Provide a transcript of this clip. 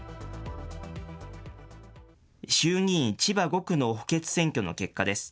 衆議院千葉５区の補欠選挙の結果です。